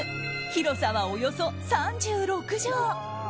広さはおよそ３６畳。